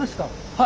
はい。